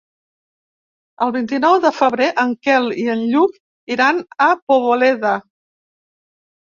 El vint-i-nou de febrer en Quel i en Lluc iran a Poboleda.